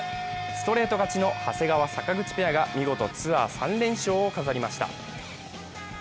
ストレート勝ちの長谷川・坂口ペアが見事ツアー３連勝を飾りました。